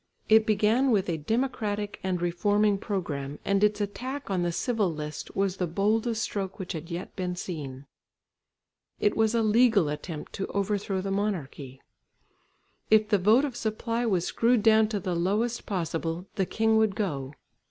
It began with a democratic and reforming programme and its attack on the Civil List was the boldest stroke which had yet been seen. It was a legal attempt to overthrow the monarchy. If the vote of supply was screwed down to the lowest possible, the king would go.